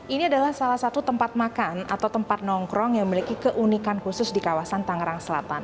ini adalah salah satu tempat makan atau tempat nongkrong yang memiliki keunikan khusus di kawasan tangerang selatan